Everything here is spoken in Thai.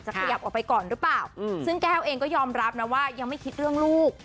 ขยับออกไปก่อนหรือเปล่าซึ่งแก้วเองก็ยอมรับนะว่ายังไม่คิดเรื่องลูก